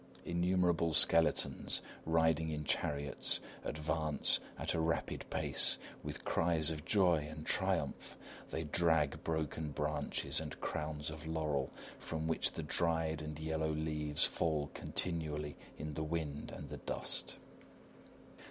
[_Innumerable skeletons, riding in chariots, advance at a rapid pace, with cries of joy and triumph. They drag broken branches and crowns of laurel, from which the dried and yellow leaves fall continually in the wind and the dust.